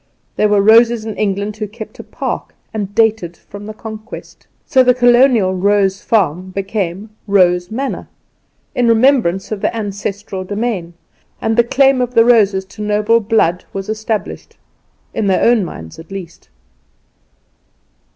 There were Roses in England who kept a park and dated from the Conquest. So the colonial "Rose Farm" became "Rose Manor" in remembrance of the ancestral domain, and the claim of the Roses to noble blood was established in their own minds at least.